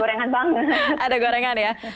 iya ada gorengan banget